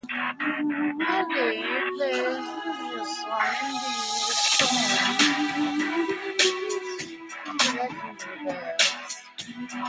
Melody plays Lugia's song, ending the storms and bringing peace to the legendary birds.